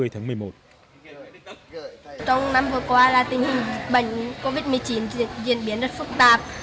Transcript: trong năm vừa qua là tình hình bệnh covid một mươi chín diễn biến rất phức tạp